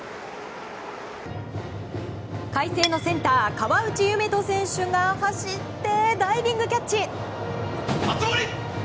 海星のセンター、河内夢翔選手が走ってダイビングキャッチ！